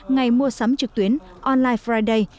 ngày mua sắm trực tuyến online friday